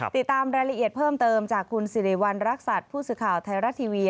ติดตามรายละเอียดเพิ่มเติมจากคุณสิริวัณรักษัตริย์ผู้สื่อข่าวไทยรัฐทีวี